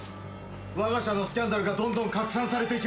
わが社のスキャンダルがどんどん拡散されていきます。